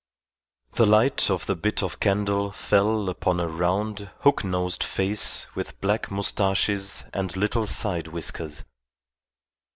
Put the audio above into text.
The light of the bit of candle fell upon a round, hook nosed face with black moustaches and little side whiskers.